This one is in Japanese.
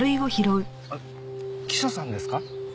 記者さんですか？